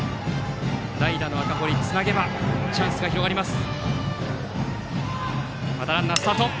代打の赤堀、つなげばチャンスが広がります。